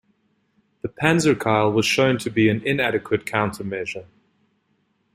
The "panzerkeil" was shown to be an inadequate countermeasure.